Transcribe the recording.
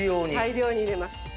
大量に入れます。